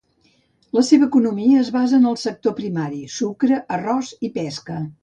La seva economia es basa en el sector primari: sucre, arròs i pesca.